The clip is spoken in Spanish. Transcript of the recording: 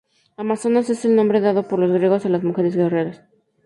Amazonas es el nombre dado por los griegos a las mujeres guerreras.